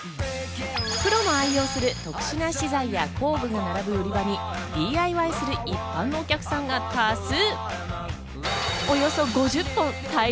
プロも愛用する特殊な資材や工具が並ぶ売り場にＤＩＹする一般のお客さんが多数。